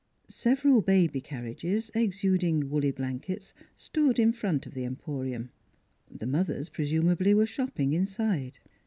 Several baby car riages, exuding woolly blankets, stood in front of the Emporium. The mothers presumably were shopping inside.